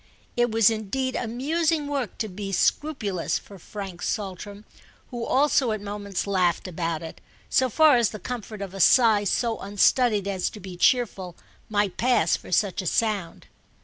It was indeed amusing work to be scrupulous for Frank Saltram, who also at moments laughed about it, so far as the comfort of a sigh so unstudied as to be cheerful might pass for such a sound.